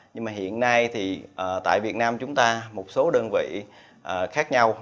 nhưng mà hiện nay thì tại việt nam chúng ta một số đơn vị khác nhau